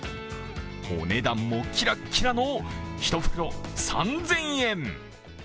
お値段はキラッキラの一袋３０００円！